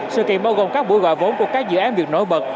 sự kiện bao gồm các buổi gọi vốn của các dự án việc nổi bật